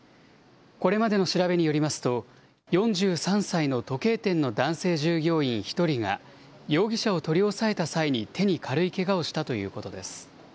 これまでの調べによりますと、４３歳の時計店の男性従業員１人が、容疑者を取り押さえた際に手に軽いけがをしたということです。